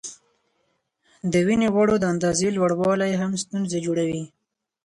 د وینې غوړو د اندازې لوړوالی هم ستونزې جوړوي.